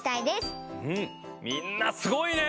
みんなすごいね！